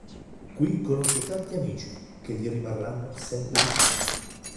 Qui conosce tanti amici che gli rimarranno sempre vicini.